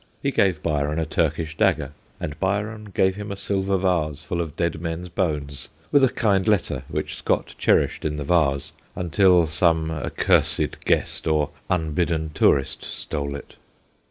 He gave Byron a Turkish dagger, and Byron gave him a silver vase full of dead men's bones, with a kind letter which Scott cherished in the vase until some accursed guest or unbidden tourist stole it.